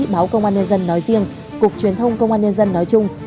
báo công an nhân dân nói riêng cục truyền thông công an nhân dân nói chung